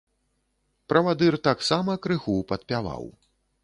Павадыр таксама крыху падпяваў.